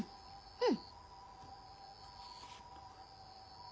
うん。